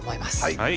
はい。